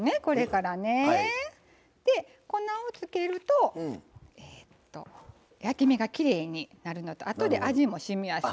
で粉をつけるとえっと焼き目がきれいになるのとあとで味もしみやすいね。